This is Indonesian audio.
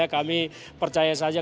kami percaya saja